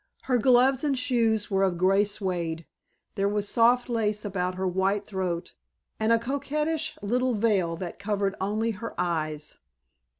Her gloves and shoes were of grey suede, there was soft lace about her white throat and a coquettish little veil that covered only her eyes.